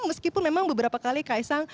meskipun memang beberapa kali kaisang